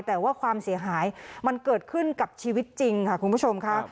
แต่ว่าความเสียหายมันเกิดขึ้นกับชีวิตจริงค่ะคุณผู้ชมค่ะ